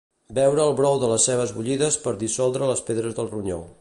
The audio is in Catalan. Beure el brou de cebes bullides per dissoldre les pedres del ronyó